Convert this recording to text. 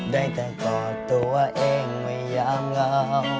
ได้แต่กอดตัวเองไม่ยามเหงา